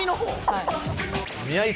はい。